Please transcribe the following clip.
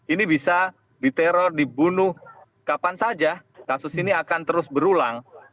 ini bisa diteror dibunuh kapan saja kasus ini akan terus berulang